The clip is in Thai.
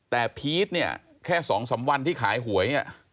แต่พีทเนี่ยแค่สองสำวัญที่ขายหวยเนี่ย